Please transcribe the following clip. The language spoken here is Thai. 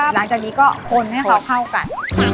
หลังจากนี้ก็คนให้เผากัน